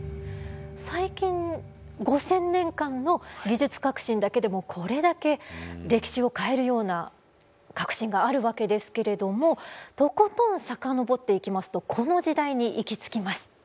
最近５，０００年間の技術革新だけでもこれだけ歴史を変えるような革新があるわけですけれどもとことん遡っていきますとこの時代に行き着きます。